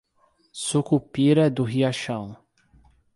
Sucupira do Riachão